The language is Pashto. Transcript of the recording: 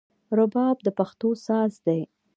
رباب د پښتو ساز دی